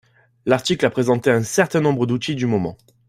L'article a présenté un certain nombres d'outils du moment